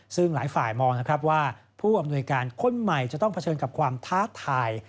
ซึ่งหลายฝ่ายมองนะครับว่าผู้อำนวยการคนใหม่จะต้องเผชิญกับความท้าทาย